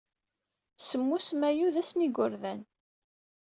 Semmus Mayyu d ass n yigerdan.